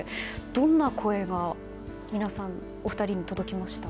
どんな声が皆さんお二人に届きました？